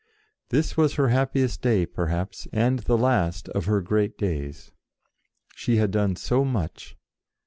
This was her happiest day, perhaps, and the last of her great days. She had done so much!